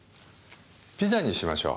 ピザにしましょう。